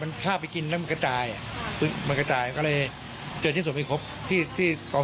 เพราะที่ยังมีกระโหลกศีรษะด้วยซึ่งมันเหมือนกับกระโหลกศีรษะด้วย